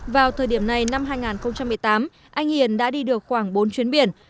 vào thời điểm này năm hai nghìn một mươi tám anh hiền đã đi được khoảng bốn chuyến biển